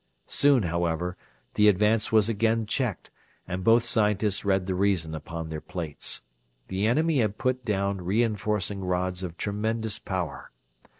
Soon, however, the advance was again checked, and both scientists read the reason upon their plates. The enemy had put down re enforcing rods of tremendous power.